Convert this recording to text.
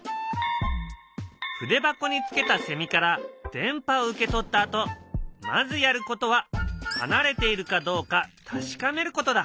筆箱につけたセミから電波を受け取ったあとまずやることは離れているかどうか確かめることだ。